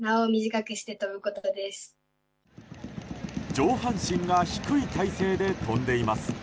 上半身が低い体勢で跳んでいます。